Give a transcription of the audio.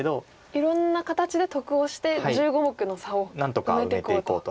いろんな形で得をして１５目の差を埋めていこうと。